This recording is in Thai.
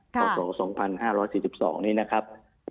ของส่วน๒๕๔๒นี่นะครับ